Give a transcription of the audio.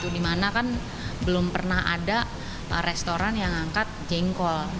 dimana kan belum pernah ada restoran yang angkat jengkol